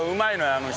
あの人。